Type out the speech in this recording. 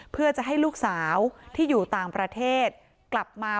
เพื่อจะให้ลูกสาวที่อยู่ต่างประเทศกลับมา